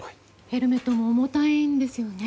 ヘルメットも重たいんですよね。